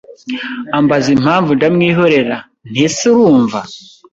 ambaza impamvu ndamwihorera nti ese urumva